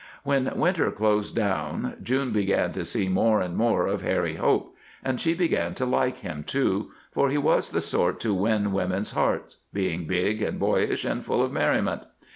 When winter closed down June began to see more and more of Harry Hope. And she began to like him, too; for he was the sort to win women's hearts, being big and boyish and full of merriment.